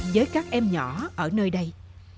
với các em nhỏ ở nơi đây